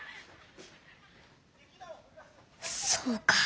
そうか。